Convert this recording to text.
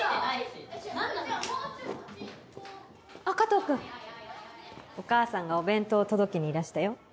あっ加藤君。お母さんがお弁当届けにいらしたよ。